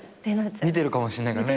見てるかもしんないからね。